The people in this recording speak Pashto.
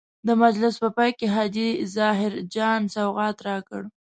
د مجلس په پای کې حاجي ظاهر جان سوغات راکړ.